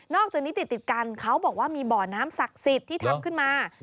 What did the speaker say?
อกจากนี้ติดกันเขาบอกว่ามีบ่อน้ำศักดิ์สิทธิ์ที่ทำขึ้นมา